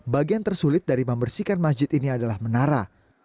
bagian tersulit dari membersihkan masjid ini adalah menara